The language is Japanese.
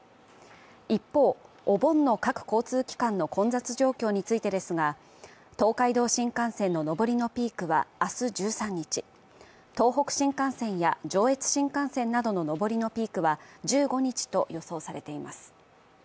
一方、お盆の各交通機関の混雑状況についてですが、東海道新幹線の上りのピークは明日１３日、東北新幹線や上越新幹線などの上りのピークは１５日と予想されています。